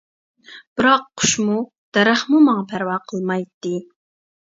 بىراق قۇشمۇ، دەرەخمۇ ماڭا پەرۋا قىلمايتتى.